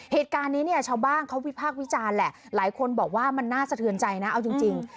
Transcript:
เหตุการณ์นี้เนี่ยชาวบ้านเขาวิพากษ์วิจารณ์แหละหลายคนบอกว่ามันน่าสะเทือนใจนะเอาจริง